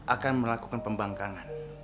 akan melakukan pembangkangan